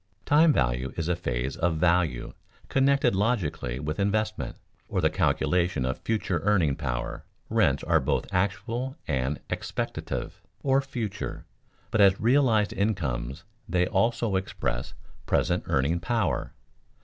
Time value is a phase of value connected logically with investment, or the calculation of future earning power; rents are both actual and expectative, or future, but as realized incomes they always express present earning power.